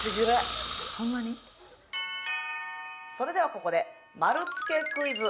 それではここで丸つけクイズ。